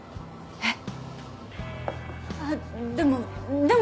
えっ？